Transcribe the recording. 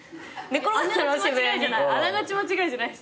あながち間違いじゃないっす。